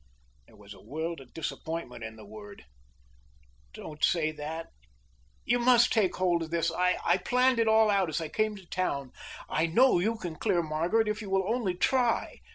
There was a world of disappointment in the word. "Don't say that! You must take hold of this. I planned it all out as I came to town. I know you can clear Margaret if you will only try.